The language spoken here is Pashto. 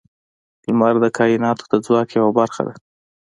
• لمر د کائنات د ځواک یوه برخه ده.